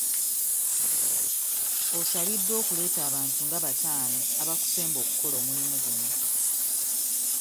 Osabiddwa okuleeta abantu nga bataano abakusemba okukola omulimu guno.